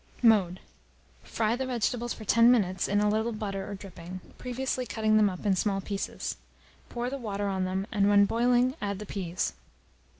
Mode. Fry the vegetables for 10 minutes in a little butter or dripping, previously cutting them up in small pieces; pour the water on them, and when boiling add the peas.